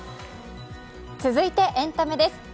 続いてエンタメです。